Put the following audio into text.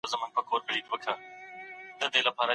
خاوند ته پکار ده چي خپلي مېرمني ته نصيحت وکړي.